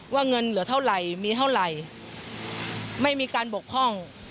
เงินเหลือเท่าไหร่มีเท่าไหร่ไม่มีการบกพ่อง